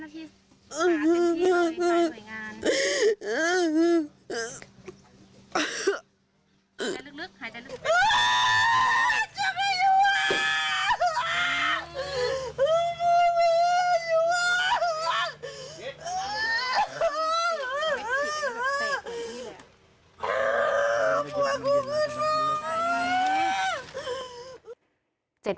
มาก